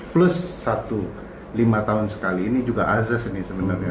plus satu lima tahun sekali ini juga azas ini sebenarnya